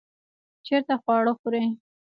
چیرته خواړه خورئ؟